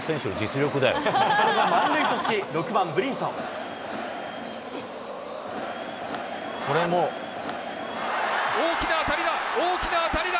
その後、満塁とし、６番ブリンソ大きな当たりだ、大きな当たりだ。